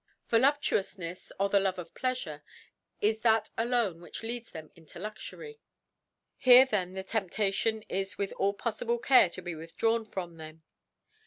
Vo luptuoufnefs or the Love of Pleafure is that alone which leads them into Luxury. Here then the T<emptation is with all poffible Care to be withdrawn from them.